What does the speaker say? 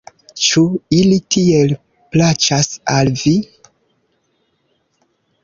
Ĉu ili tiel plaĉas al vi?